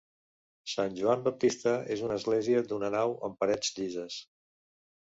Sant Joan Baptista és una església d'una nau amb parets llises.